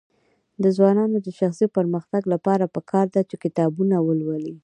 د ځوانانو د شخصي پرمختګ لپاره پکار ده چې کتابونه ولولي.